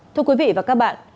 thưa quý vị và các bạn